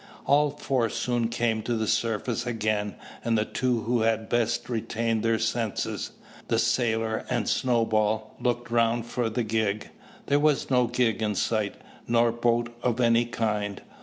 All four soon came to the surface again; and the two who had best retained their senses, the sailor and Snowball, looked around for the gig. There was no gig in sight, nor boat of any kind!